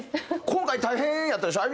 今回大変やったでしょ？